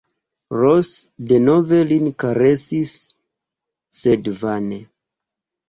Ros denove lin karesis, sed vane.